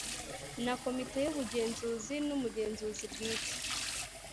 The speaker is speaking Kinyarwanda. Na Komite Y Ubugenzuzi N Umugenzuzi Bwite